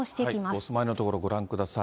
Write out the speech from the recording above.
お住まいの所、ご覧ください。